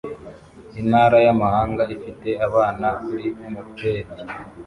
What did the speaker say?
Intara yamahanga ifite abana kuri moped